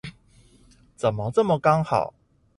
怎麼這麼剛好